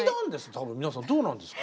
多分皆さんどうなんですか？